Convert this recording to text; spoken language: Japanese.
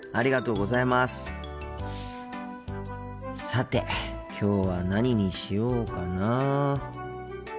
さてきょうは何にしようかな。